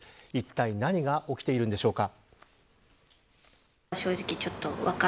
いったい何が起きていたんでしょうか。